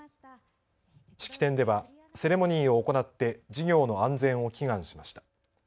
式典ではセレモニーを行って事業の安全を祈願しました。